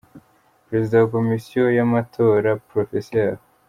Perezida wa Komisiyo y’ amatora Prof.